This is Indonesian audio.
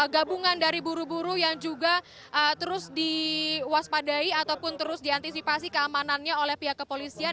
gabungan dari buru buru yang juga terus diwaspadai ataupun terus diantisipasi keamanannya oleh pihak kepolisian